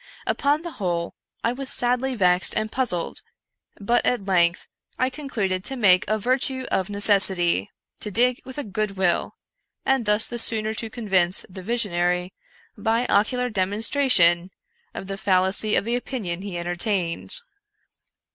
Upon the whole, I was sadly vexed and puzzled, but, at length, I concluded to make a virtue of necessity — to dig with a good will, and thus the sooner to convince the visionary, by ocular demonstration, of the fallacy of the opinion he en tertained.